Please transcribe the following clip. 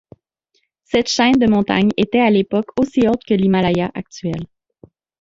Cette chaîne de montagnes était à l’époque aussi haute que l’Himalaya actuel.